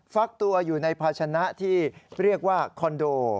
ฟักตัวอยู่ในภาชนะที่เรียกว่าคอนโด